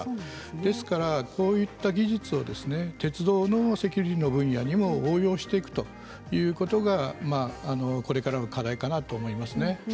ですからこういった技術を鉄道のセキュリティーの分野にも応用していくということがこれからの課題かなと思いますね。